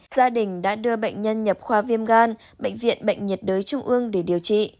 gia đình đã đưa bệnh nhân nhập khoa viêm gan bệnh viện bệnh nhiệt đới trung ương để điều trị